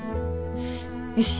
よし。